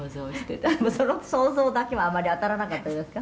「でもその想像だけはあまり当たらなかったんじゃないですか？」